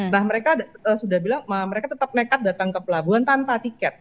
nah mereka sudah bilang mereka tetap nekat datang ke pelabuhan tanpa tiket